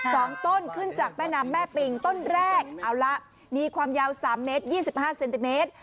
สองต้นขึ้นจากแม่น้ำแม่ปิงต้นแรกเอาละมีความยาวสามเมตรยี่สิบห้าเซนติเมตร